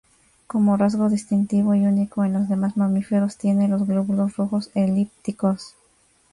Como rasgo distintivo y único en los demás mamíferos, tienen los glóbulos rojos elípticos.